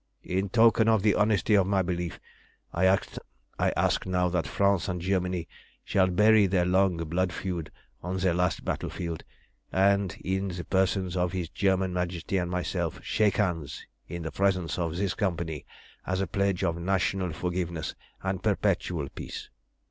"In token of the honesty of my belief I ask now that France and Germany shall bury their long blood feud on their last battlefield, and in the persons of his German Majesty and myself shake hands in the presence of this company as a pledge of national forgiveness and perpetual peace."